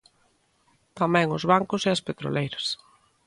Tamén os bancos e as petroleiras.